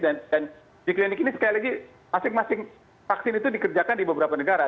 dan di klinik ini sekali lagi masing masing vaksin itu dikerjakan di beberapa negara